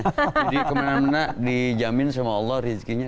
jadi kemana mana dijamin sama allah rizkinya